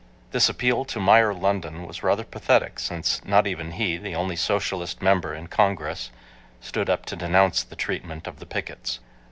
This appeal to Meyer London was rather pathetic, since not even he, the only Socialist member in Congress, stood up to denounce the treatment of the pickets.